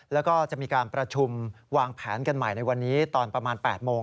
แล้วก็จะมีการประชุมวางแผนกันใหม่ในวันนี้ตอนประมาณ๘โมง